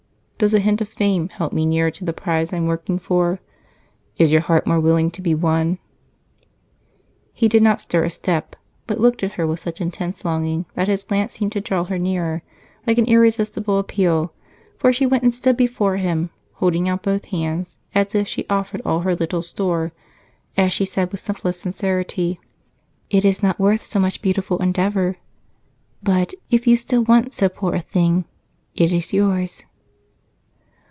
Does a hint of fame help me nearer to the prize I'm working for? Is your heart more willing to be won?" He did not stir a step, but looked at her with such intense longing that his glance seemed to draw her nearer like an irresistible appeal, for she went and stood before him, holding out both hands, as if she offered all her little store, as she said with simplest sincerity: "It is not worth so much beautiful endeavor, but if you still want so poor a thing, it is yours."